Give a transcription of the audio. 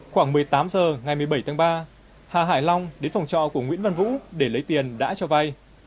khoảng một mươi tám h ngày một mươi bảy tháng ba hà hải long đến phòng trọ của nguyễn văn vũ để lấy tiền đã cho vay